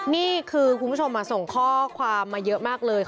นี่คือคุณผู้ชมส่งข้อความมาเยอะมากเลย